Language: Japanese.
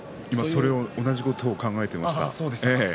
同じことを考えていました。